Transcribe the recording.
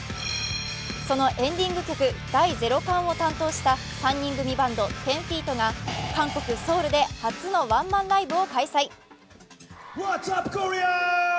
そのエンディング曲「第ゼロ感」を担当した３人組バンド１０−ＦＥＥＴが韓国・ソウルで初のワンマンライブを開催。